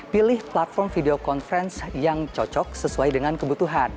pilih platform video conference yang cocok sesuai dengan kebutuhan